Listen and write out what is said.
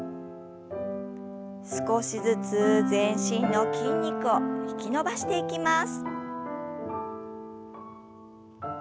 少しずつ全身の筋肉を引き伸ばしていきます。